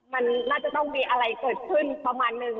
มันน่าจะต้องมีอะไรเกิดขึ้นประมาณนึง